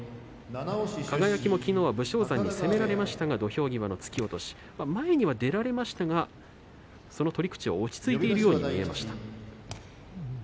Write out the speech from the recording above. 輝もきのう武将山に攻められましたが、土俵際の突き落とし前には出られましたがその取り口は、落ち着いているように見えました。